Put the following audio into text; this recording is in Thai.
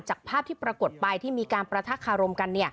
จากภาพที่ปรากฏไปที่มีการประทักคารมกัน